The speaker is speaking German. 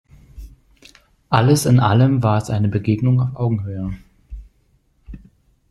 Alles in allem war es eine Begegnung auf Augenhöhe.